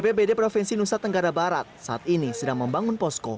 bpbd provinsi nusa tenggara barat saat ini sedang membangun posko